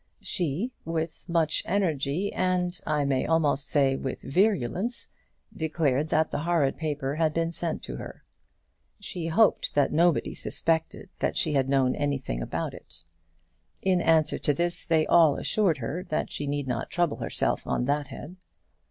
She, with much energy and, I may almost say, with virulence, declared that the horrid paper had been sent to her. She hoped that nobody suspected that she had known anything about it. In answer to this, they all assured her that she need not trouble herself on that head.